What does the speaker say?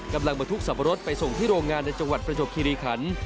กำลังมาทุกสับปะรดไปส่งที่โรงงานในจังหวัดประจบคิริขัน